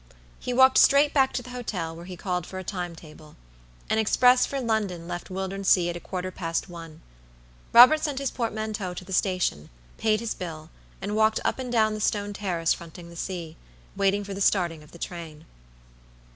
He walked straight back to the hotel, where he called for a time table. An express for London left Wildernsea at a quarter past one. Robert sent his portmanteau to the station, paid his bill, and walked up and down the stone terrace fronting the sea, waiting for the starting of the train.